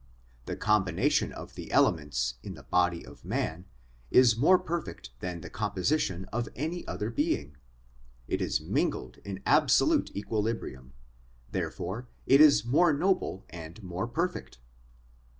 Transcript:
The combination of the elements in the body of man is more perfect than the composition of any other being ; it is mingled in absolute equilibrium, therefore it is more noble and more perfect.